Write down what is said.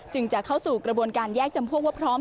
จะเข้าสู่กระบวนการแยกจำพวกว่าพร้อม